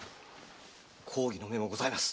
公儀の目もございます。